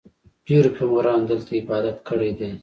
ډېرو پیغمبرانو دلته عبادت کړی دی.